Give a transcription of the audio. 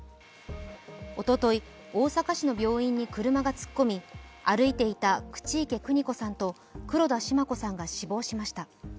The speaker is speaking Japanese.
おととい、大阪市の病院に車が突っ込み、歩いていた口池邦子さんと黒田シマ子さんが死亡しました。